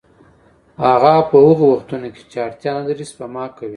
هغه په هغو وختونو کې چې اړتیا نلري سپما کوي